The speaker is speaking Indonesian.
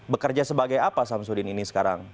bekerja sebagai apa samsudin ini sekarang